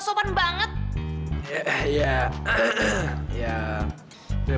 yaudah balik aja